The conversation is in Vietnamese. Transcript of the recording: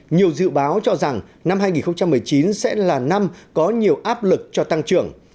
nhiều dự báo cho rằng năm hai nghìn một mươi chín sẽ là năm có nhiều áp lực cho tăng trưởng